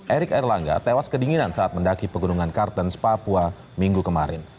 erik erlangga tewas kedinginan saat mendaki pegunungan kartens papua minggu kemarin